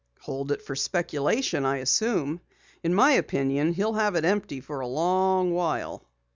"Hold it for speculation, I assume. In my opinion he'll have it empty for a long while."